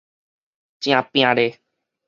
誠拚咧